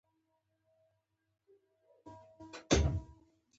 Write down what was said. لومړی: یوه وسیله لکه بایسکل یا د کالیو ګنډلو ماشین تر څارنې لاندې ونیسئ.